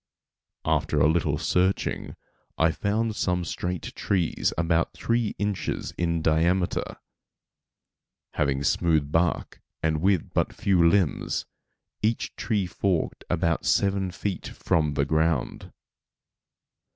After a little searching I found some straight trees about three inches in diameter, having smooth bark and with but few limbs, each tree forked about seven feet from the ground.